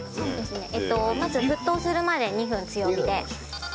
えっとまず沸騰するまで２分強火で。